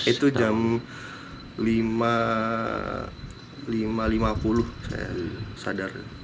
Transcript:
itu jam lima lima puluh saya sadar